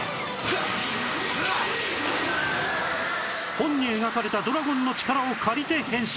本に描かれたドラゴンの力を借りて変身